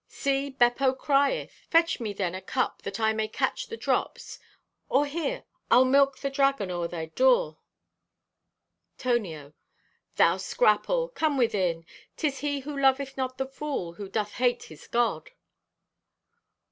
See, Beppo cryeth! Fetch me then a cup that I may catch the drops—or, here, I'll milk the dragon o'er thy door!" (Tonio) "Thou scrapple! Come within. 'Tis he who loveth not the fool who doth hate his God."